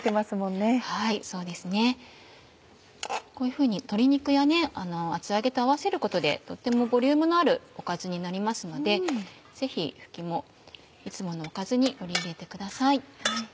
こういうふうに鶏肉や厚揚げと合わせることでとってもボリュームのあるおかずになりますのでぜひふきもいつものおかずに取り入れてください。